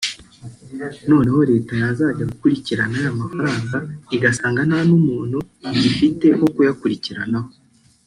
noneho leta yazajya gukurikirana ya mafaranga igasanga nta n’umuntu igifite wo kuyakurikiranaho